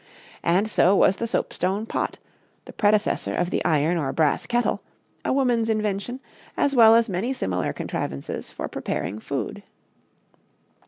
And so was the soapstone pot the predecessor of the iron or brass kettle a woman's invention, as well as many similar contrivances for preparing food.